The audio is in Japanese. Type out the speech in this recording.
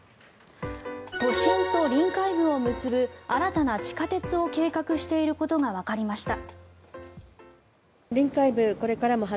都心と臨海部を結ぶ新たな地下鉄を計画していることがわかりました。